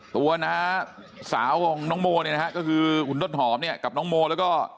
น้าสาวของน้องโมเนี่ยนะฮะก็คือคุณต้นหอมเนี่ยกับน้องโมแล้วก็